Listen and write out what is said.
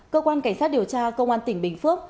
cơ quan cảnh sát điều tra công an tỉnh bình phước